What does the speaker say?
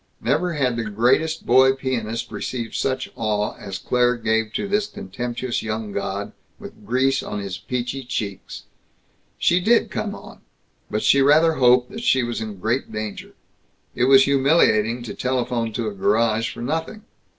Never has the greatest boy pianist received such awe as Claire gave to this contemptuous young god, with grease on his peachy cheeks. She did come on. But she rather hoped that she was in great danger. It was humiliating to telephone to a garage for nothing.